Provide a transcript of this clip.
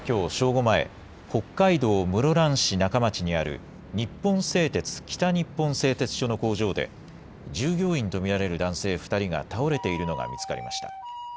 午前、北海道室蘭市仲町にある日本製鉄北日本製鉄所の工場で従業員と見られる男性２人が倒れているのが見つかりました。